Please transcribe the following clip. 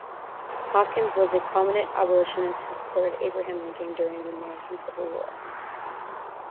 Hopkins was a prominent abolitionist who supported Abraham Lincoln during the American Civil War.